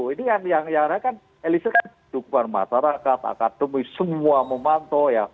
ini yang elisirkan dukungan masyarakat akademis semua memantau